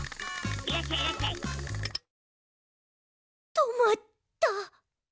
とまった。